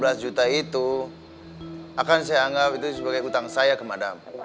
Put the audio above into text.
nah uang yang lima belas juta itu akan saya anggap itu sebagai utang saya ke madam